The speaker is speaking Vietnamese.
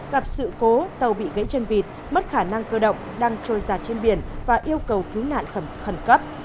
gặp sự cố tàu bị gãy chân vịt mất khả năng cơ động đang trôi giặt trên biển và yêu cầu cứu nạn khẩn cấp